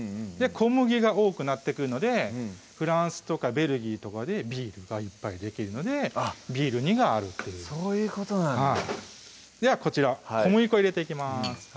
小麦が多くなってくるのでフランスとかベルギーとかでビールがいっぱいできるのでビール煮があるっていうそういうことなんだはいではこちら小麦粉入れていきます